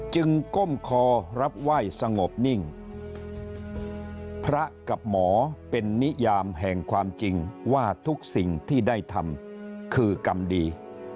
ก้มคอรับไหว้สงบนิ่งพระกับหมอเป็นนิยามแห่งความจริงว่าทุกสิ่งที่ได้ทำคือกรรมดี